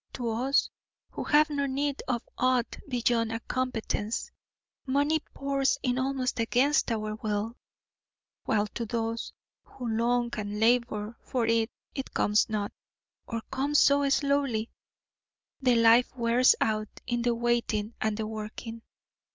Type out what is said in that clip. To us who have no need of aught beyond a competence, money pours in almost against our will, while to those who long and labour for it, it comes not, or comes so slowly the life wears out in the waiting and the working.